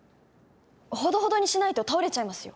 ほどほどにしないと倒れちゃいますよ